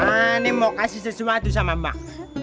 ini mau kasih sesuatu sama mbak